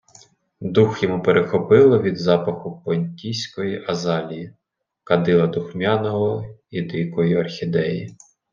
Дух йому перехопило від запаху понтійської азалії, кадила духмяного і дикої орхідеї...